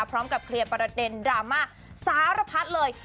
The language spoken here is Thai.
พร้อมกับเคลียร์ประเด็นดราม่าสารพัดเลย